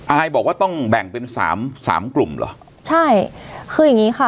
อายบอกว่าต้องแบ่งเป็นสามสามกลุ่มเหรอใช่คืออย่างงี้ค่ะ